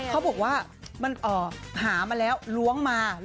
เอ่อก็บอกว่าเออหามาแล้วล้วงมา